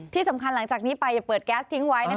ที่สำคัญหลังจากนี้ไปอย่าเปิดแก๊สทิ้งไว้